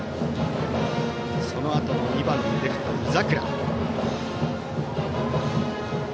そのあとの２番レフト、井櫻。